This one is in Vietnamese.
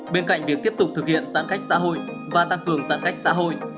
bên cạnh việc tiếp tục thực hiện giãn cách xã hội và tăng cường giãn cách xã hội